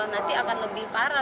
nanti akan lebih parah